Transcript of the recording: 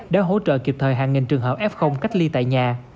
đã hỗ trợ kịp thời hàng nghìn trường hợp f cách ly tại nhà